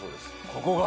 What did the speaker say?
ここが？